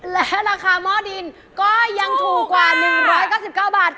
และราคาหม้อดินก็ยังถูกกว่า๑๙๙บาท